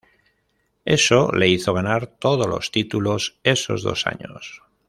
Eso le hizo ganar todos los títulos esos dos años.